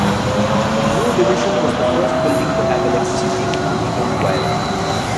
New Division was the first building to have electricity, with underground wiring.